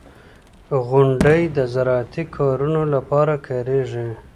• غونډۍ د زراعتي کارونو لپاره کارېږي.